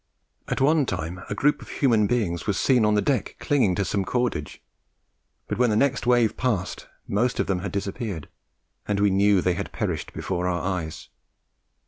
At one time a group of human beings was seen on the deck clinging to some cordage; but when the next wave passed, most of them had disappeared, and we knew they had perished before our eyes.